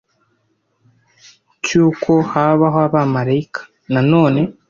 cy’uko habaho abamarayika Nanone